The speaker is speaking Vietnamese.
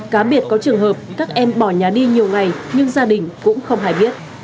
cá biệt có trường hợp các em bỏ nhà đi nhiều ngày nhưng gia đình cũng không hề biết